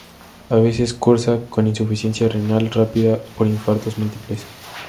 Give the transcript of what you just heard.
A veces cursa con insuficiencia renal rápida por infartos múltiples.